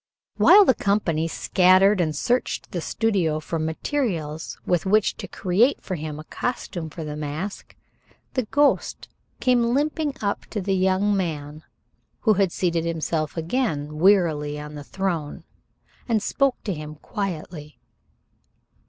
While the company scattered and searched the studio for materials with which to create for him a costume for the mask, the ghost came limping up to the young man who had seated himself again wearily on the throne, and spoke to him quietly.